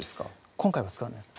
今回は使わないです